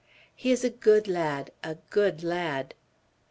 He is a good lad, a good lad."